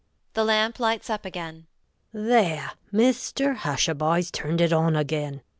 [The lamp lights up again]. There! Mr Hushabye's turned it on again.